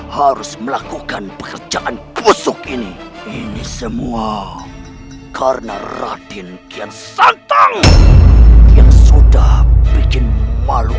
harus melakukan pekerjaan kusuk ini ini semua karena raden kian santai yang sudah bikin malu